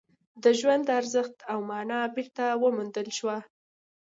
د ژوند ارزښت او مانا بېرته وموندل شوه